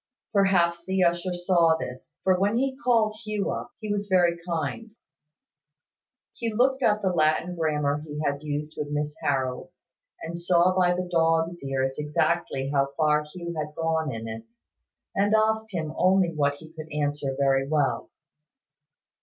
Perhaps the usher saw this; for when he called Hugh up, he was very kind. He looked at the Latin grammar he had used with Miss Harold, and saw by the dogs' ears exactly how far Hugh had gone in it, and asked him only what he could answer very well.